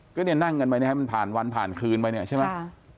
ก็เนี่ยนั่งกันไปเนี่ยให้มันผ่านวันผ่านคืนไปเนี่ยใช่ไหม